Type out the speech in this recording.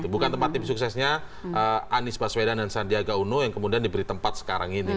bukan tempat tim suksesnya anies baswedan dan sandiaga uno yang kemudian diberi tempat sekarang ini